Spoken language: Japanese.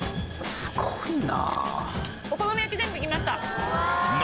すごいな。